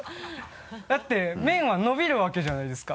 だって麺はのびるわけじゃないですか。